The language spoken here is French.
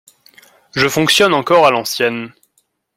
Je fonctionne encore à l’ancienne.